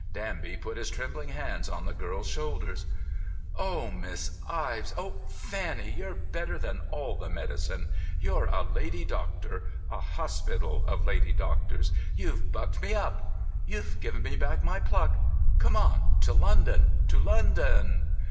Danby put his trembling hands on the girl's shoulders. "Oh, Miss Ives! Oh, Fanny, you're better than all the medicine. You're a lady doctor—a hospital of lady doctors. You've bucked me up. You've given me back my pluck. Come on—to London—to London!"